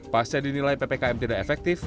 pasca dinilai ppkm tidak efektif